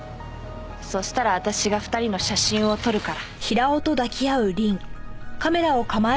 そしたら私が２人の写真を撮るから。